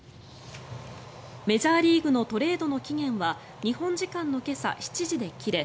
メジャーリーグのトレードの期限は日本時間の今朝７時で切れ